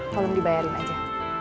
tolong dibayarin aja